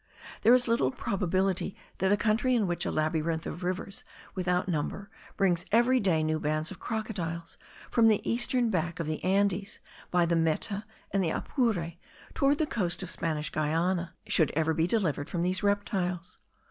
There is little probability that a country in which a labyrinth of rivers without number brings every day new bands of crocodiles from the eastern back of the Andes, by the Meta and the Apure, toward the coast of Spanish Guiana, should ever be delivered from these reptiles.